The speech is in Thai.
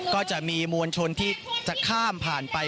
ก็จะมีมวลชนที่จะข้ามผ่านไป